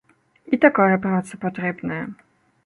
І такая праца патрэбная.